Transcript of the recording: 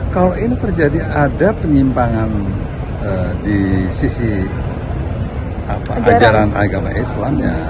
kalau ini terjadi ada penyimpangan di sisi ajaran agama islam